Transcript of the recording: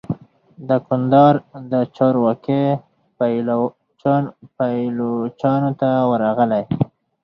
د کندهار د چارو واګي پایلوچانو ته ورغلې.